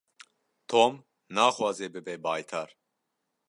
Tom naxwaze bibe baytar.